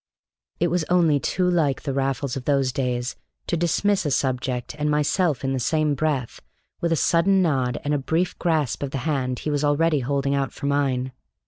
It was only too like the Raffles of those days to dismiss a subject and myself in the same breath, with a sudden nod, and a brief grasp of the hand he was already holding out for mine.